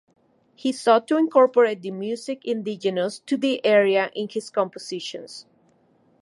He sought to incorporate the music indigenous to the area in his compositions.